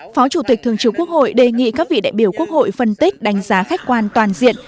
phó chủ tịch thường trưởng quốc hội đề nghị các vị đại biểu quốc hội phân tích đánh giá khách quan toàn diện